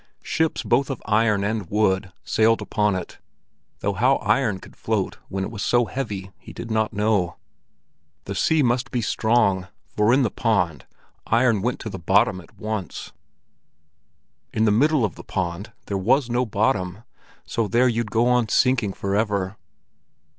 Ships both of iron and wood sailed upon it, though how iron could float when it was so heavy he did not know! The sea must be strong, for in the pond, iron went to the bottom at once. In the middle of the pond there was no bottom, so there you'd go on sinking forever!